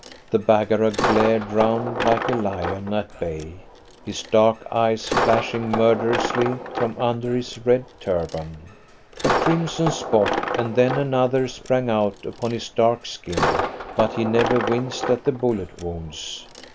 The Baggara glared round like a lion at bay, his dark eyes flashing murderously from under his red turban. A crimson spot, and then another, sprang out upon his dark skin, but he never winced at the bullet wounds.